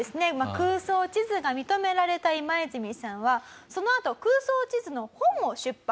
空想地図が認められたイマイズミさんはそのあと空想地図の本を出版されています。